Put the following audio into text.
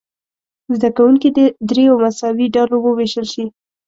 زده کوونکي دې دریو مساوي ډلو وویشل شي.